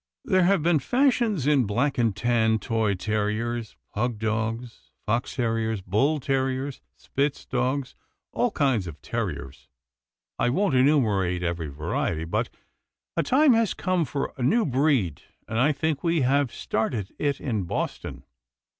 There have been fashions in black and tan toy ter riers, pug dogs, fox terriers, bull terriers. Spitz dogs, all kinds of terriers — I won't enumerate every va riety, but a time has come for a new breed, and I think we have started it in Boston."